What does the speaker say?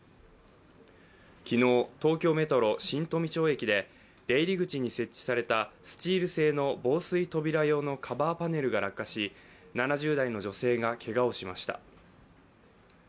昨日、東京メトロ・新富町駅で出入り口に設置されたスチール製の防水扉用のカバーパネルが落下し、７０代の女性がけがをしました。